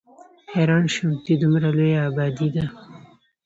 حېران شوم چې دومره لويه ابادي ده